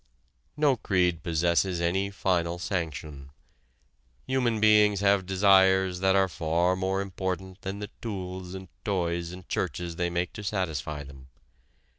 No creed possesses any final sanction. Human beings have desires that are far more important than the tools and toys and churches they make to satisfy them.